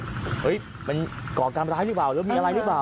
เฮ้ยมันก่อการร้ายหรือเปล่าหรือมีอะไรหรือเปล่า